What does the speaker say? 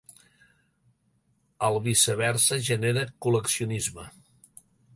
El viceversa genera col·leccionisme.